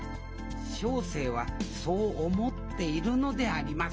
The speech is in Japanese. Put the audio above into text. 小生はそう思っているのであります